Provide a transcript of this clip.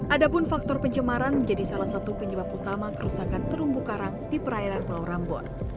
adapun faktor pencemaran menjadi salah satu penyebab utama kerusakan terumbu karang di perairan pulau rambut